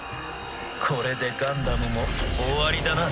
これでガンダムも終わりだな。